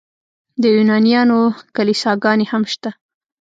د یونانیانو کلیساګانې هم شته.